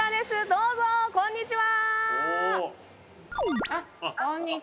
どうもこんにちは。